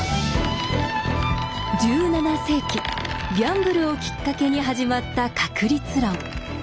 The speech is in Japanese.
１７世紀ギャンブルをきっかけに始まった確率論。